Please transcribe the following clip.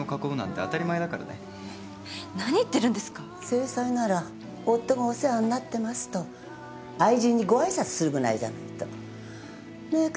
正妻なら「夫がお世話になってます」と愛人にご挨拶するぐらいじゃないと。ねえ？